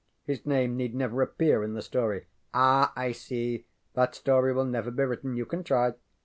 His name need never appear in the story. ŌĆØ ŌĆ£Ah! I see. That story will never be written. You can try.